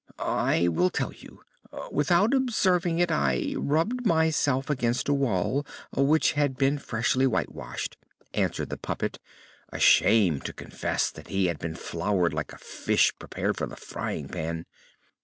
"I will tell you. Without observing it I rubbed myself against a wall which had been freshly whitewashed," answered the puppet, ashamed to confess that he had been floured like a fish prepared for the frying pan.